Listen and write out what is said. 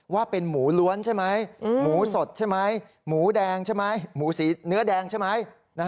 ว่าเป็นหมูล้วนใช่ไหมหมูสดใช่ไหมหมูแดงใช่ไหมหมูสีเนื้อแดงใช่ไหม